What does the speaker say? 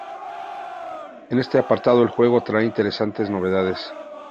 En este apartado el juego trae interesantes novedades.